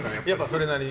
それなりに。